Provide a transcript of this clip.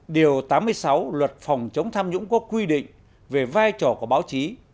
điều tám mươi sáu luật phòng chống tham nhũng có quy định về vai trò của báo chí